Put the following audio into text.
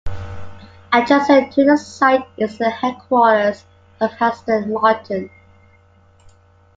Adjacent to the site is the headquarters of Aston Martin.